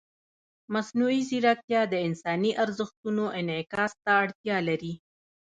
مصنوعي ځیرکتیا د انساني ارزښتونو انعکاس ته اړتیا لري.